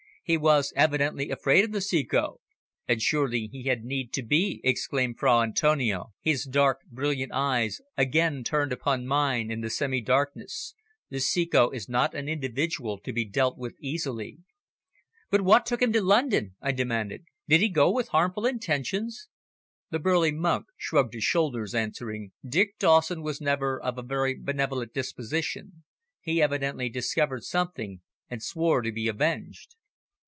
"He was evidently afraid of the Ceco." "And surely he had need to be," exclaimed Fra Antonio, his dark, brilliant eyes again turned upon mine in the semi darkness. "The Ceco is not an individual to be dealt with easily." "But what took him to London?" I demanded. "Did he go with harmful intentions?" The burly monk shrugged his shoulders, answering "Dick Dawson was never of a very benevolent disposition. He evidently discovered something, and swore to be avenged."